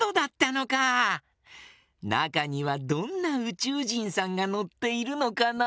なかにはどんなうちゅうじんさんがのっているのかな？